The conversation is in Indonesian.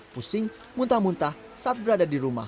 pusing muntah muntah saat berada di rumah